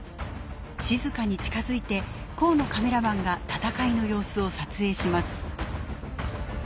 静かに近づいて河野カメラマンが闘いの様子を撮影します。